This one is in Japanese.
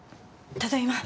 ただいま。